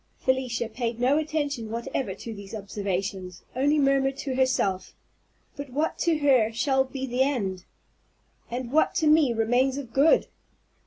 Felicia paid no attention whatever to these observations, only murmured to herself, "But what to her shall be the end? And what to me remains of good?